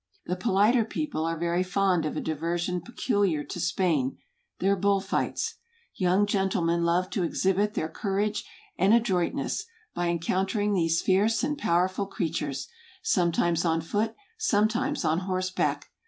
The politer people are very fond of a diversion peculiar to Spain, their bull fights. Young gen¬ tlemen love to exhibit their courage and adroit¬ ness, by encountering these fierce and powerful creatures; sometimes on foot, sometimes on horseback.